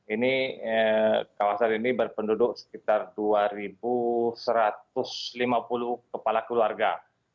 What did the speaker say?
ini kawasan ini berpenduduk sekitar dua satu ratus lima puluh kepala keluarga